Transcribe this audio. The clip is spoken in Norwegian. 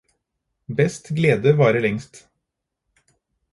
Best glede varer lengst